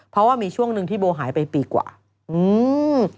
เพราะว่ามีช่วงหนึ่งที่โบหายไปปีกว่าอืม